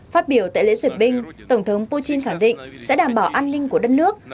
phát biểu tại lễ duyệt binh tổng thống putin khẳng định sẽ đảm bảo an ninh của đất nước